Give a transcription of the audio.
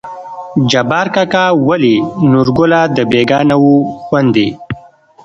جبار کاکا: ولې نورګله د بيګانه وو غوندې